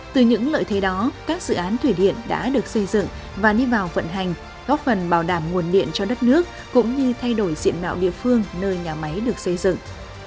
từ những lợi thế đó các dự án thủy điện đã được xây dựng và đi vào vận hành góp phần bảo đảm nguồn điện cho đất nước cũng như thay đổi diện mạo địa phương nơi nhà máy được xây dựng